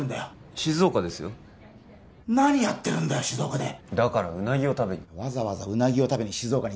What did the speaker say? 静岡ですよ何やってるんだよ静岡でだからうなぎを食べにわざわざうなぎを食べに静岡か？